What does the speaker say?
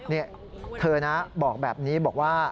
นี่เธอนะบอกแบบนี้บอกว่า